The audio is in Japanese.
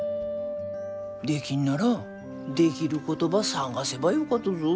できんならできることば探せばよかとぞ。